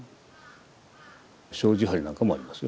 障子張りなんかもありますよ